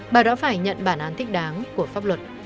bà đã phải nhận bản án thích đáng của pháp luật